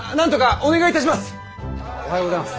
おはようございます。